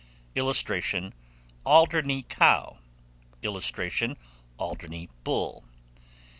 [Illustration: ALDERNEY COW.] [Illustration: ALDERNEY BULL.